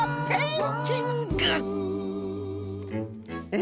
え